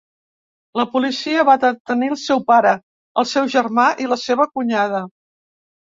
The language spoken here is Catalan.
La policia va detenir el seu pare, el seu germà i la seva cunyada.